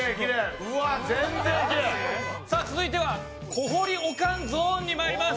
さあ続いては小堀おかんゾーンに参ります。